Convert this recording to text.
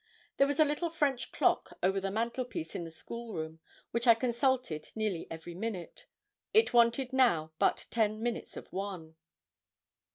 There was a little French clock over the mantelpiece in the school room, which I consulted nearly every minute. It wanted now but ten minutes of one.